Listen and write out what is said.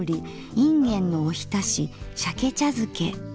いんげんのおひたし鮭茶づけ。